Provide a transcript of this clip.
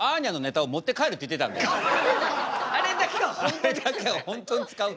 あれだけは本当に使うと。